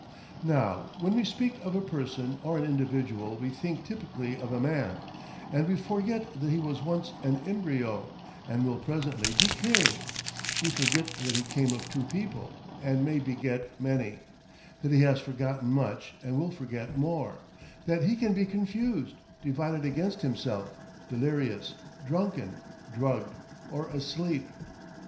Now when we speak of a person or an individual we think typically of a man, and we forget that he was once an embryo and will presently decay; we forget that he came of two people and may beget many, that he has forgotten much and will forget more, that he can be confused, divided against himself, delirious, drunken, drugged, or asleep.